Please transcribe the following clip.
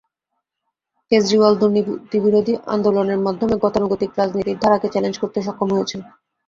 কেজরিওয়াল দুর্নীতিবিরোধী আন্দোলনের মাধ্যমে গতানুগতিক রাজনীতির ধারাকে চ্যালেঞ্জ করতে সক্ষম হয়েছেন।